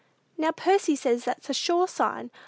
"Now Percy says that's a sure sign!